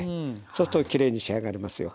そうするときれいに仕上がりますよ。